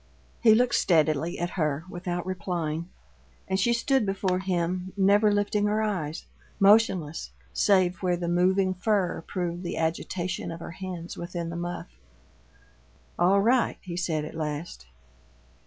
He looked steadily at her without replying, and she stood before him, never lifting her eyes; motionless, save where the moving fur proved the agitation of her hands within the muff. "All right," he said at last.